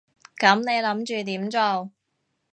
噉你諗住點做？